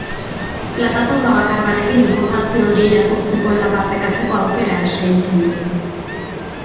Plataforma bakar batetik informazio hori irakurtzeko eta partekatzeko aukera eskaintzen du.